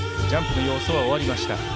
ジャンプの要素は終わりました。